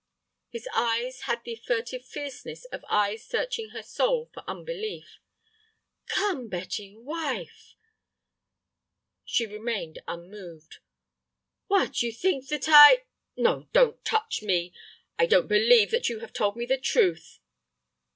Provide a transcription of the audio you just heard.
His eyes had the furtive fierceness of eyes searching her soul for unbelief. "Come, Betty, wife—" She remained unmoved. "What? You think that I—" "No, don't touch me. I don't believe that you have told me the truth."